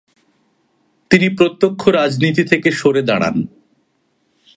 তিনি প্রত্যক্ষ রাজনীতি থেকে সরে দাঁড়ান।